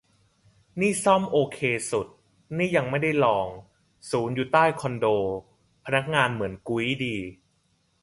นี่ซ่อมโอเคสุด นี่ยังไม่ได้ลอง ศูนย์อยู่ใต้คอนโด พนักงานเหมือนกุ๊ยดี